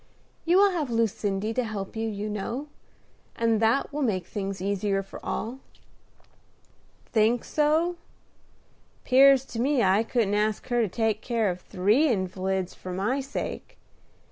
"You will have Lucindy to help you, you know; and that will make things easier for all." "Think so? 'Pears to me I couldn't ask her to take care of three invalids for my sake.